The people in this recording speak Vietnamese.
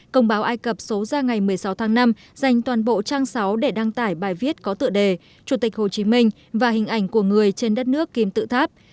công báo ai cập số ra ngày một mươi sáu tháng năm dành toàn bộ trang sáu để đăng tải bài viết có tựa đề chủ tịch hồ chí minh và hình ảnh của người trên đất nước kim tự tháp